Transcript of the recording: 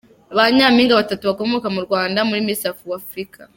Ba Nyampinga batatu bakomoka mu Rwanda muri Misi wafurika